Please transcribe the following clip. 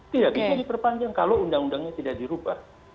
tidak bisa diperpanjang kalau undang undangnya tidak dirubah